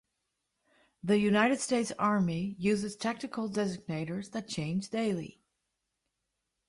The United States Army uses tactical designators that change daily.